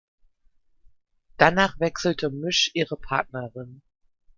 Danach wechselte Müsch ihre Partnerin.